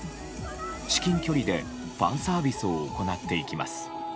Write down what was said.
至近距離でファンサービスを行っていきます。